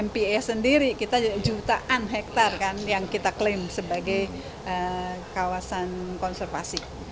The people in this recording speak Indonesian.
mpa sendiri kita jutaan hektare kan yang kita klaim sebagai kawasan konservasi